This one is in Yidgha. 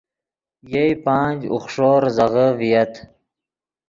یئے پانچ، اوخݰو زیزغے ڤییت